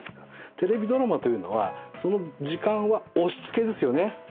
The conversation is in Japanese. テレビドラマというのはその時間は押し付けですよね。